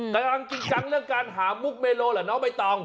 กำลังจริงจังเรื่องการหามุกเมโลเหรอน้องใบตอง